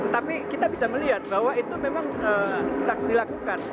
tapi kita bisa melihat bahwa itu memang dilakukan